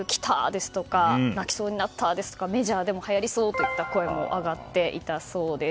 ですとか泣きそうになったですとかメジャーでもはやりそうといった声も上がっていたそうです。